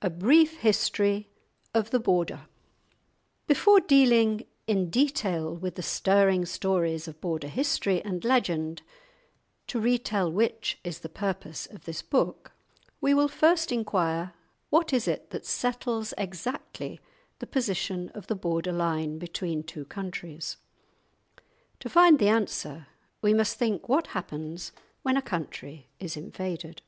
II.—A BRIEF HISTORY OF THE BORDER Before dealing in detail with the stirring stories of Border history and legend, to retell which is the purpose of this book, we will first inquire—What is it that settles exactly the position of the border line between two countries? To find the answer we must think what happens when a country is invaded.